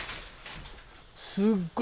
すっごい。